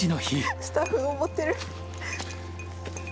スタッフ登ってる。